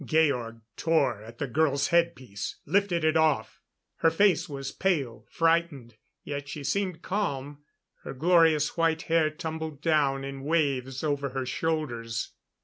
Georg tore at the girl's head piece, lifted it off. Her face was pale, frightened, yet she seemed calm. Her glorious white hair tumbled down in waves over her shoulders.